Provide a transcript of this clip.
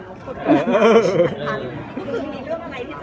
มันไม่ได้มีตารเลื่อนค่ะทุกอย่างก็เป็นไปตามแผงปกติ